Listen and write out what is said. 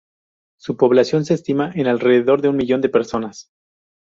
Su población se estima en alrededor de un millón de personas.